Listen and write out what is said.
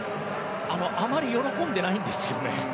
あまり喜んでないんですよね。